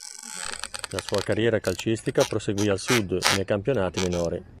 La sua carriera calcistica proseguì al Sud, nei campionati minori.